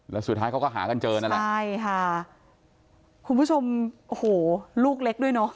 แล้วสุดท้ายเขาก็หากันเจอนั่นแหละใช่ค่ะคุณผู้ชมโอ้โหลูกเล็กด้วยเนอะ